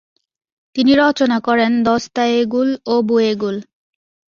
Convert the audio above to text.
তিনি রচনা করেন দস্তায়েগুল ও বুয়েগুল।